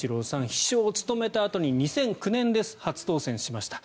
秘書を務めたあとに２００９年、初当選しました。